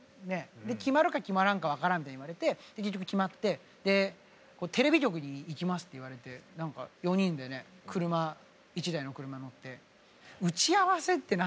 決まるか決まらんか分からんって言われて結局決まって「テレビ局に行きます」って言われて４人でね１台の車に乗って「打ち合わせって何だ？」